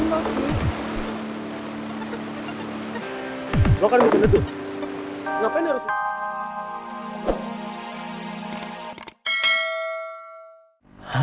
ngapain lo disini